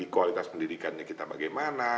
kualitas pendidikannya kita bagaimana